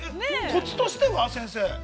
コツとしては、先生。